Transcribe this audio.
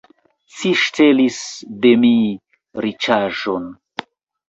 Ci ŝtelis de mi riĉaĵon!